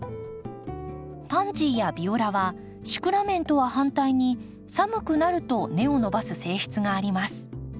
パンジーやビオラはシクラメンとは反対に寒くなると根を伸ばす性質があります。